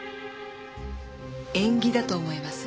縁起だと思います。